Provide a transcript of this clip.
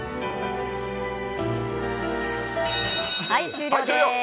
終了です。